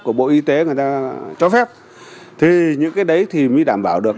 của bộ y tế người ta cho phép thì những cái đấy thì mới đảm bảo được